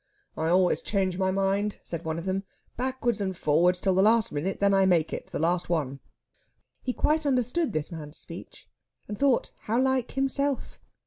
"I always change my mind," said one of them, "backwards and forwards till the last minute; then I make it the last one." He quite understood this man's speech, and thought how like himself!